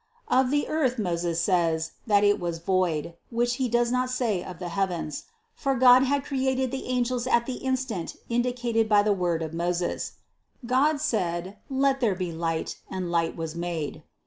Of the earth Moses says, that it was void, which he does not say of the heavens ; for God had created the angels at the instant indicated by the word of Moses: "God said : Let there be light, and light was made."